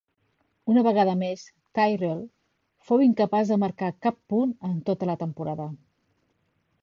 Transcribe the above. Una vegada més, Tyrrell fou incapaç de marcar cap punt en tota la temporada.